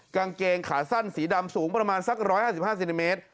กางเกงขาสั้นสีดำสูงประมาณสัก๑๕๕เซนติเมตร